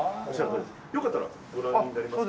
よかったらご覧になりますか？